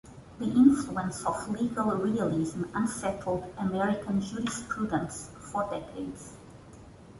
The influence of legal realism unsettled American jurisprudence for decades.